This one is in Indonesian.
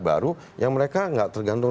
baru yang mereka nggak tergantung